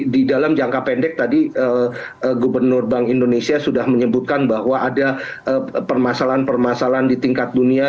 di dalam jangka pendek tadi gubernur bank indonesia sudah menyebutkan bahwa ada permasalahan permasalahan di tingkat dunia